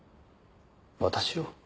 私を？